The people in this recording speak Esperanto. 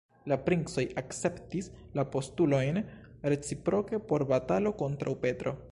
La princoj akceptis la postulojn reciproke por batalo kontraŭ Petro.